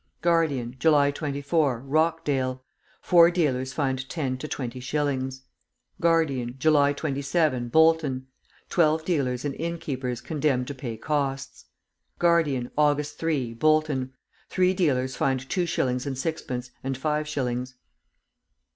Guardian, July 24, Rochdale. Four dealers fined ten to twenty shillings. Guardian, July 27, Bolton. Twelve dealers and innkeepers condemned to pay costs. Guardian, August 3, Bolton. Three dealers fined two shillings and sixpence, and five shillings.